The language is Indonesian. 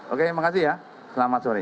oke makasih ya selamat sore